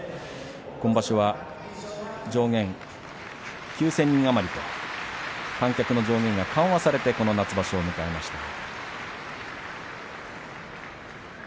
今場所は上限９０００人余りと観客の上限が緩和されてこの夏場所を迎えました。